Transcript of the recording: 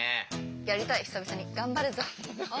やりたい久々に「頑張るぞおー！」。